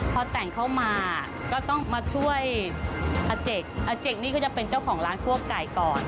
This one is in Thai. พอแต่งเข้ามาก็ต้องมาช่วยอาเจกอาเจกนี่ก็จะเป็นเจ้าของร้านคั่วไก่ก่อน